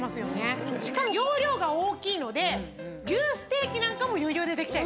しかも容量が大きいので牛ステーキなんかも余裕でできちゃいます。